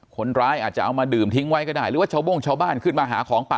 คนร้ายอาจจะเอามาดื่มทิ้งไว้ก็ได้หรือว่าชาวโบ้งชาวบ้านขึ้นมาหาของป่า